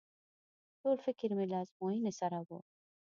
ټول فکر مې له ازموينې سره و.